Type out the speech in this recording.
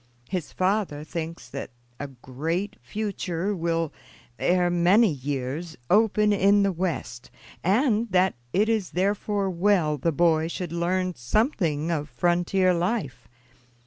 His father thinks that a great future will, ere many years, open in the West, and that it is therefore well the boy should learn something of frontier life.